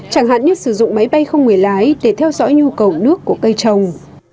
chẳng hạn như sử dụng máy bay không người lái để theo dõi nhu cầu nước của cây trồng